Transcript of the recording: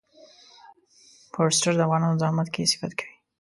فورسټر د افغانانو زحمت کښی صفت کوي.